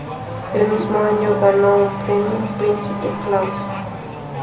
El mismo año ganó un Premio Príncipe Claus.